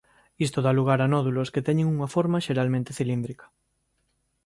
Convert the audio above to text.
Isto dá lugar a nódulos que teñen unha forma xeralmente cilíndrica.